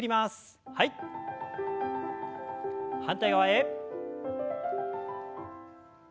反対側へ。